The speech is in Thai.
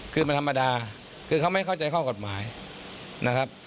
คือมันธรรมดาคือเขาไม่เข้าใจข้อกฎหมายนะครับ